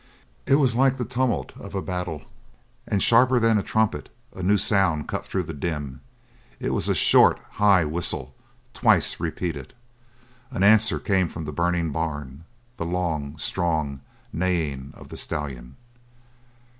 It was like the tumult of a battle, and sharper than a trumpet a new sound cut through the din it was a short, high whistle, twice repeated. An answer came from the burning barn the long, strong neighing of the stallion.